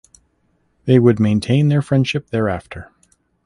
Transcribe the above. They would maintain their friendship thereafter.